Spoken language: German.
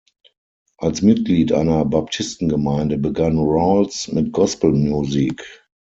Als Mitglied einer Baptistengemeinde begann Rawls mit Gospelmusik.